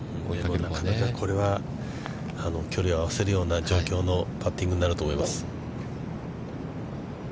なかなかこれは距離を合わせるような状況のパッティングになると思います。